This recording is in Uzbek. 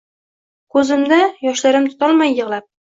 Quzimda yoshlarim tutolmay yoglab